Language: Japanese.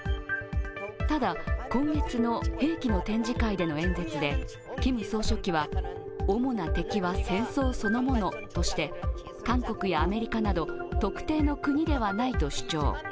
ただ、今月の兵器の展示会での演説でキム総書記は、主な敵は戦争そのものとして韓国やアメリカなど特定の国ではないと主張。